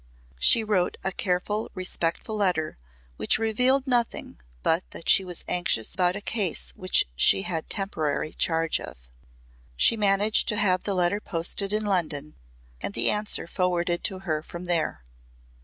She wrote a careful respectful letter which revealed nothing but that she was anxious about a case she had temporary charge of. She managed to have the letter posted in London and the answer forwarded to her from there.